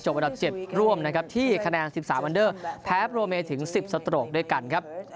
อันดับ๗ร่วมนะครับที่คะแนน๑๓อันเดอร์แพ้โปรเมย์ถึง๑๐สโตรกด้วยกันครับ